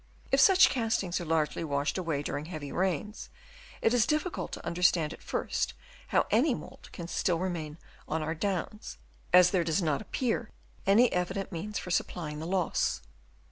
If such castings are largely washed away during heavy rains, it is difficult to understand at first how any mould can still remain on our Downs, as there does not appear any evident means for supplying the loss.